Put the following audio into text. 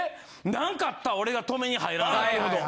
何かあったら俺が止めに入らなと。